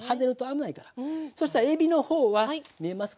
そしたらえびの方は見えますかね